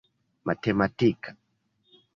matematika